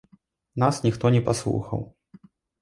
Нас ніхто не паслухаў.